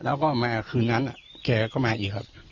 แล้วก็มาคืนนั้นแกก็มาอีกครับ